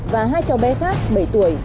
và hai cháu bé khác bảy tuổi